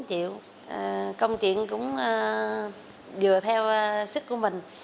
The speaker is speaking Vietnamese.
công chuyện cũng vừa theo sức của mình